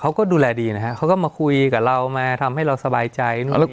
เขาก็ดูแลดีนะฮะเขาก็มาคุยกับเรามาทำให้เราสบายใจนู่น